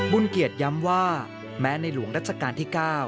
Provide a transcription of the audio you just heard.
เกียรติย้ำว่าแม้ในหลวงรัชกาลที่๙